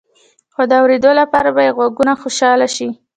خو د اوریدلو لپاره به يې غوږونه خوشحاله شي.